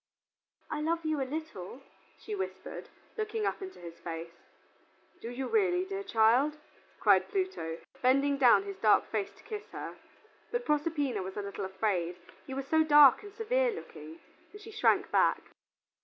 "I love you a little," she whispered, looking up into his face. "Do you really, dear child?" cried Pluto, bending down his dark face to kiss her. But Proserpina was a little afraid, he was so dark and severe looking, and she shrank back.